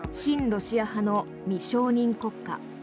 ロシア派の未承認国家。